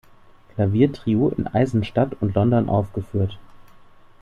Klaviertrio in Eisenstadt und London aufgeführt.